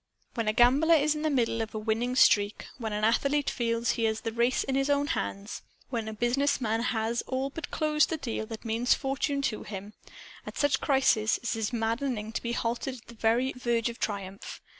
When a gambler is in the middle of a winning streak, when an athlete feels he has the race in his own hands, when a business man has all but closed the deal that means fortune to him at such crises it is maddening to be halted at the very verge of triumph.